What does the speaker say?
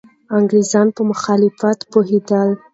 انګریزان په مخالفت پوهېدل.